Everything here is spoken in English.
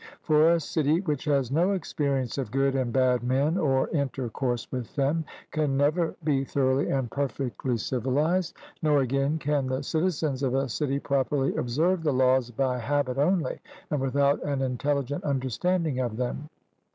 For a city which has no experience of good and bad men or intercourse with them, can never be thoroughly and perfectly civilised, nor, again, can the citizens of a city properly observe the laws by habit only, and without an intelligent understanding of them.